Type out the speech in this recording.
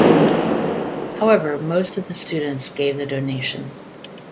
However most of the students give the donation.